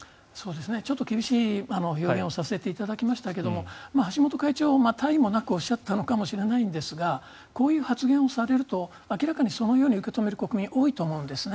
ちょっと厳しい表現をさせていただきましたが橋本会長、他意もなくおっしゃったと思うんですがこういう発言をされると明らかにそういうふうに受け止める国民が多いと思うんですね。